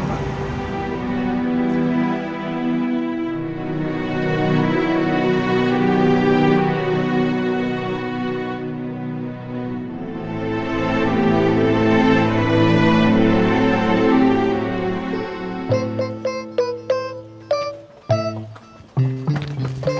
sama seperti kami disini sebelumnya